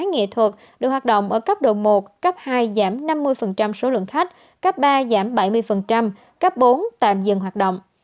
nghệ thuật được hoạt động ở cấp độ một cấp hai giảm năm mươi số lượng khách cấp ba giảm bảy mươi cấp bốn tạm dừng hoạt động